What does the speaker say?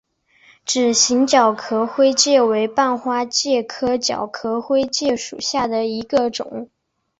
指形角壳灰介为半花介科角壳灰介属下的一个种。